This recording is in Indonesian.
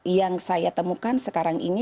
yang saya temukan sekarang ini